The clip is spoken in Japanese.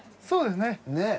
そうですね。